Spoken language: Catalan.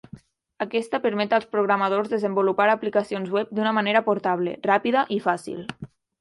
Aquesta permet als programadors desenvolupar aplicacions web d'una manera portable, ràpida i fàcil.